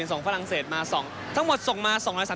ส่งฝรั่งเศสมาทั้งหมดส่งมา๒๓๐ล้าน